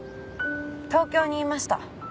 東京にいました。